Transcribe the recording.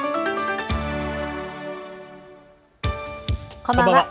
こんばんは。